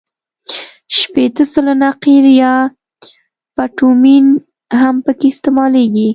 شپېته سلنه قیر یا بټومین هم پکې استعمالیږي